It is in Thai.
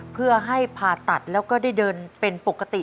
เพื่อให้ผ่าตัดแล้วก็ได้เดินเป็นปกติ